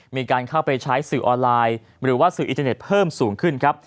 มีการเข้าไปใช้สื่อออนไลน์หรือว่าสื่ออินเทอร์เน็ตเพิ่มสูงขึ้นครับ